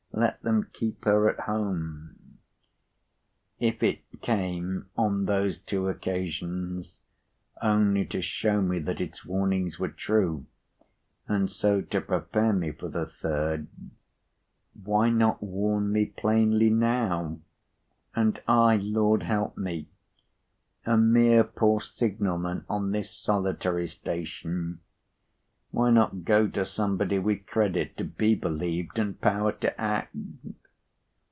Let them keep her at home'? If it came, on those two occasions, only to show me that its warnings were true, and so to prepare me for the third, why not warn me plainly now? And I, Lord help me! A mere poor signal man on this solitary station! Why not go to somebody with credit to be believed, and power to act!"